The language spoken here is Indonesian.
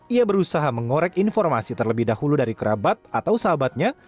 ia berusaha mengorek informasi terlebih dahulu dari kerabat atau sahabatnya